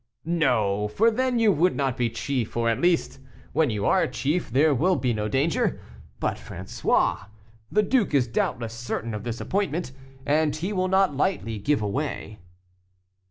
"No, for then you would not be chief, or at least, when you are chief, there will be no danger. But, François, the duke is doubtless certain of this appointment, and he will not lightly give way."